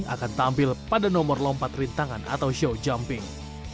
akan tampil pada nomor lompat rintangan atau show jumping